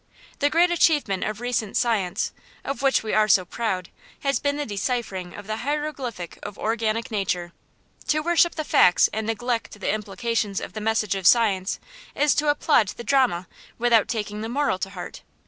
The great achievement of recent science, of which we are so proud, has been the deciphering of the hieroglyphic of organic nature. To worship the facts and neglect the implications of the message of science is to applaud the drama without taking the moral to heart.